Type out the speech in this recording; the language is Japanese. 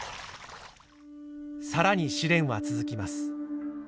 さらに試練は続きます。